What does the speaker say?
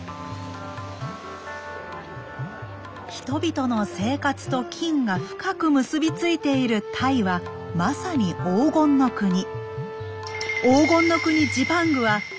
人々の生活と金が深く結び付いているタイはまさに「黄金の国」。